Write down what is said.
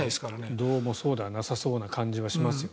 どうもそうではなさそうな感じはしますよね。